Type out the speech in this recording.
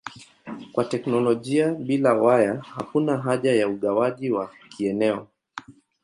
Kwa teknolojia bila waya hakuna haja ya ugawaji wa kieneo.